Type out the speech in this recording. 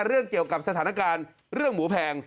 เรื่องเกี่ยวกับสถานการณ์เรื่องหมูแพง